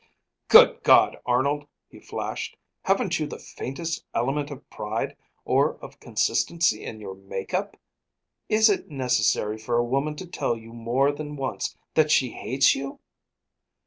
"Good God, Arnold," he flashed, "haven't you the faintest element of pride, or of consistency in your make up? Is it necessary for a woman to tell you more than once that she hates you?